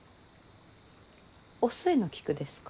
お寿恵の菊ですか？